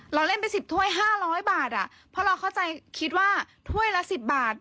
เราเล่นไป๑๐ถ้วย๕๐๐บาทเพราะเราเข้าใจคิดว่าถ้วยละ๑๐บาท